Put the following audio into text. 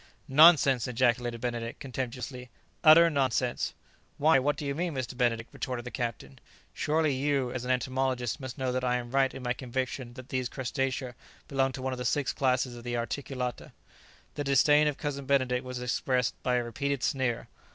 "Nonsense!" ejaculated Benedict contemptuously; "utter nonsense!" "Why? what do you mean, Mr. Benedict?" retorted the captain; "surely you, as an entomologist, must know that I am right in my conviction that these crustacea belong to one of the six classes of the articulata." The disdain of Cousin Benedict was expressed by a repeated sneer.